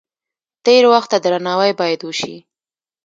تیر وخت ته درناوی باید وشي.